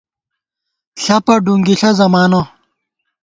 ݪپہ ڈُنگِݪہ زمانہ